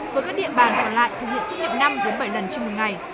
với các địa bàn còn lại thực hiện xét nghiệm năm bảy lần trên một ngày